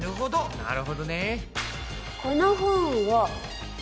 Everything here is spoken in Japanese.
なるほどね。